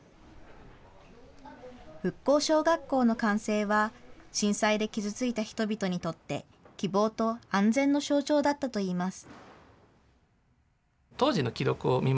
復興小学校の完成は、震災で傷ついた人々にとって、希望と安全の象徴だったといいます。